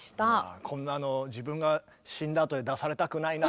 こんなの自分が死んだあとに出されたくないな。